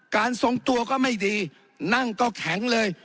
ทรงตัวก็ไม่ดีนั่งก็แข็งเลย